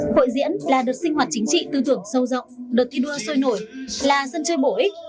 hội diễn là đợt sinh hoạt chính trị tư tưởng sâu rộng đợt thi đua sôi nổi là sân chơi bổ ích